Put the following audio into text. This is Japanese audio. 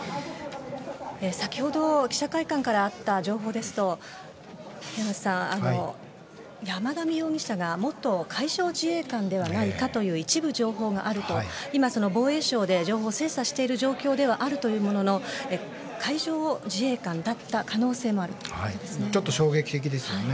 先ほど記者会館からあった情報ですと平松さん、山上容疑者が元海上自衛官ではないかという一部情報があると今、防衛省で情報を精査している状況ではあるものの海上自衛官だった可能性もあるということですね。